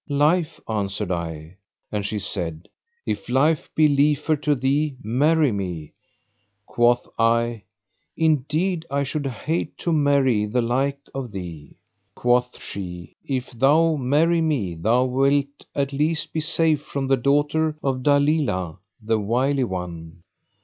"Life," answered I; and she said, "If life be liefer to thee, marry me." Quoth I, "Indeed I should hate to marry the like of thee." Quoth she, "If thou marry me thou wilt at least be safe from the daughter of Dalílah the Wily One."